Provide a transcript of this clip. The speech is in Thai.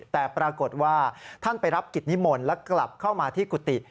แต่ปรากฏว่าท่านไปรับกิจนิมนต์แล้วกลับเข้ามาที่กุฏิ